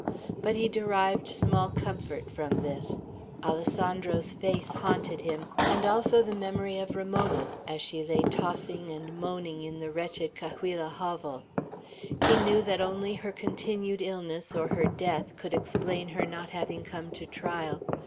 But he derived small comfort from this. Alessandro's face haunted him, and also the memory of Ramona's, as she lay tossing and moaning in the wretched Cahuilla hovel. He knew that only her continued illness, or her death, could explain her not having come to the trial.